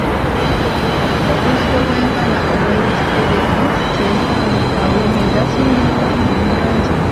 Obuzito obwenkana obw'ekitereke ky'empanga, ago ge gaasuulibwa mu nnyanja.